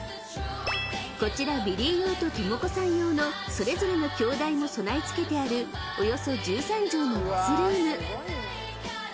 ［こちらビリー用と知子さん用のそれぞれの鏡台も備え付けてあるおよそ１３畳のバスルーム］